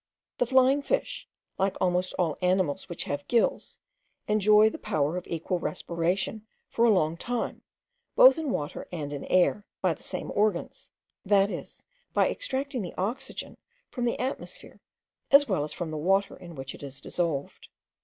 The flying fish, like almost all animals which have gills, enjoy the power of equal respiration for a long time, both in water and in air, by the same organs; that is, by extracting the oxygen from the atmosphere as well as from the water in which it is dissolved.